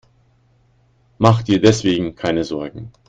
Mach dir deswegen keine Sorgen.